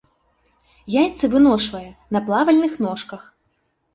Яйцы выношвае на плавальных ножках.